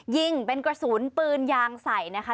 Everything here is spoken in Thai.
ยิงเป็นกระสุนปืนยางใส่นะคะ